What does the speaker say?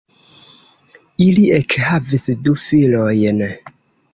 Ili ekhavis du filojn.